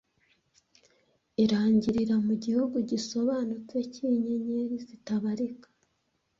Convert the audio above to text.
irangirira mu gihugu gisobanutse cyinyenyeri zitabarika